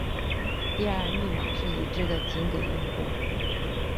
第二密码是已知的仅给用户。